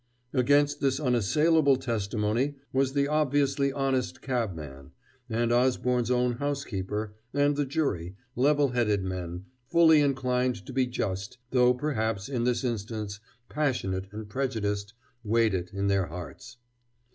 Against this unassailable testimony was the obviously honest cabman, and Osborne's own housekeeper: and the jury, level headed men, fully inclined to be just, though perhaps, in this instance, passionate and prejudiced, weighed it in their hearts.